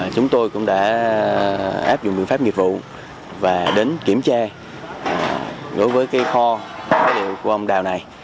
chúng tôi cũng đã áp dụng biện pháp nghiệp vụ và đến kiểm tra đối với kho phế liệu của ông đào này